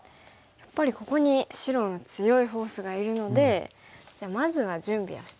やっぱりここに白の強いフォースがいるのでじゃあまずは準備をしてみます。